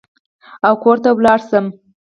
او کور ته ولاړ شم.